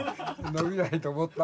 伸びないと思った。